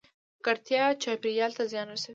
ککړتیا چاپیریال ته زیان رسوي